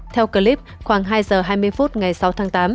theo clip khoảng hai giờ hai mươi phút ngày sáu tháng tám